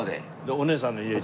お姉さんの家に。